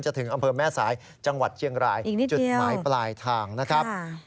ถึงอำเภอแม่สายจังหวัดเชียงรายจุดหมายปลายทางนะครับ